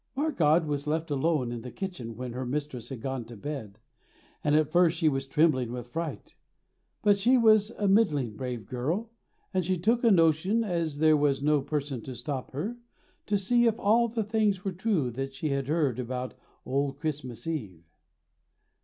Margad was left alone in the kitchen when her mistress had gone to bed, and at first she was trembling with fright; but she was a middling brave girl, and she took a notion, as there was no person to stop her, to see if all the things were true that she had heard about Old Christmas Eve.